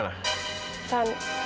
sudah tersia operasi